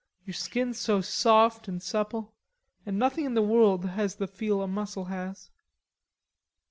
"Your skin's so soft and supple, and nothing in the world has the feel a muscle has....